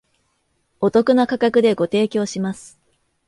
お得な価格でご提供します